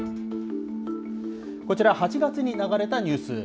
こちら、８月に流れたニュース。